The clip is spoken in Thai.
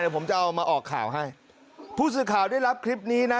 ผมจะเอามาออกข่าวให้ผู้สื่อข่าวได้รับคลิปนี้นะ